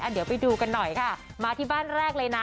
เดี๋ยวไปดูกันหน่อยค่ะมาที่บ้านแรกเลยนะ